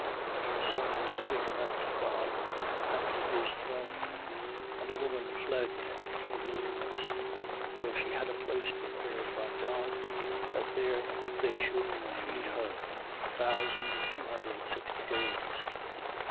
And her son was taken up to God and to his throne. 12:6. And the woman fled into the wilderness, where she had a place prepared by God, that there they should feed her, a thousand two hundred sixty days.